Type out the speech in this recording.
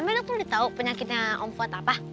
emang dok udah tahu penyakitnya om fuad apa